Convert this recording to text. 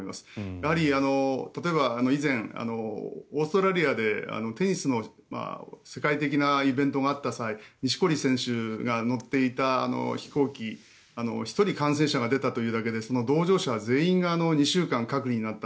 やはり例えば以前、オーストラリアでテニスの世界的なイベントがあった際錦織選手が乗っていた飛行機１人が感染者が出たというだけで同乗者全員が２週間隔離になった。